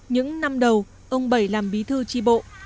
những năm đầu ông bảy làm bí thư tri bộ